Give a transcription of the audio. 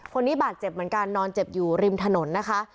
คนนี้บาดเจ็บเหมือนกันนอนเจ็บอยู่ริมถนนนะคะ